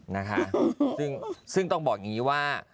นะคะซึ่งต้องบอกอย่างนี้ว่า